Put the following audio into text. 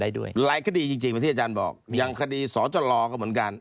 ได้ด้วยหลายคดีจริงที่อาจารย์บอกยังคดีสอจลอก็เหมือนกัน